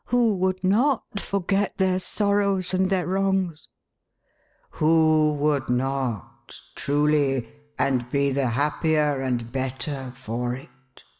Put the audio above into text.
Who would not forget their sorrows and their wrongs ?"" Who would not, truly, and be the happier and better for it